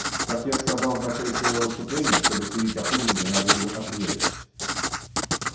Как я сказал в начале своего выступления, чтобы судить о пудинге, надо его отведать.